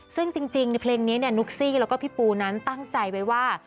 ซึ่งจริงในเพลงนี้นุ๊กซี่แล้วก็พี่ปูนั้นตั้งใจไว้ว่า